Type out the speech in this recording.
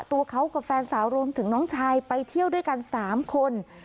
ตัวเขากับแฟนสาวรวมถึงน้องชายไปเที่ยวด้วยกัน๓คน